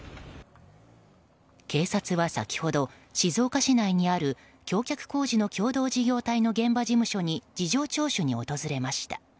警察は先ほど、静岡市内にある橋脚工事の事業所に事情聴取に訪れました。